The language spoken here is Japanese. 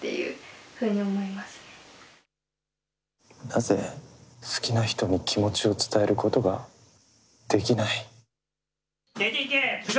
なぜ好きな人に気持ちを伝えることができない。